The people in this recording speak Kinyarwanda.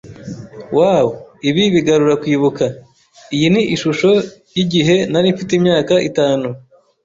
Wow, ibi bigarura kwibuka. Iyi ni ishusho yigihe nari mfite imyaka itanu.